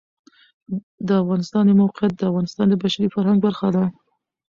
د افغانستان د موقعیت د افغانستان د بشري فرهنګ برخه ده.